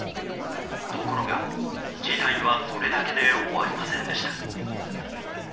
ところが、事態はそれだけで終わりませんでした。